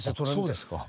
そうですか。